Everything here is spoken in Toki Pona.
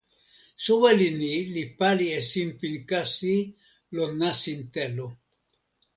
soweli ni li pali e sinpin kasi lon nasin telo.